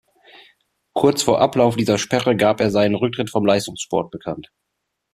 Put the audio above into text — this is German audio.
Kurz vor Ablauf dieser Sperre gab er seinen Rücktritt vom Leistungssport bekannt.